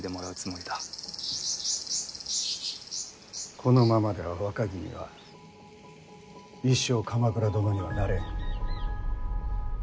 このままでは若君は一生、鎌倉殿にはなれん。